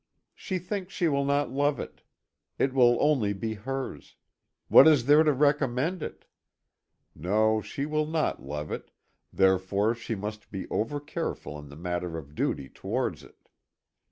She thinks she will not love it. It will only be hers. What is there to recommend it? No, she will not love it, therefore she must be over careful in the matter of duty towards it.